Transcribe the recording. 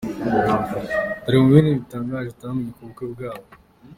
Dore bimwe mu bintu bitangaje utamenye ku bukwe bwabo.